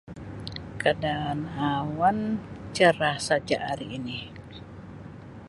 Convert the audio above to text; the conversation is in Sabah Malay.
Keadaan awan cerah saja hari ini